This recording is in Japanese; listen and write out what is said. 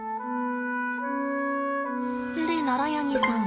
でナラヤニさん